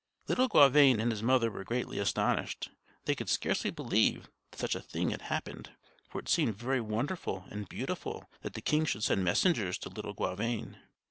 Little Gauvain and his mother were greatly astonished. They could scarcely believe that such a thing had happened; for it seemed very wonderful and beautiful that the king should send messengers to little Gauvain.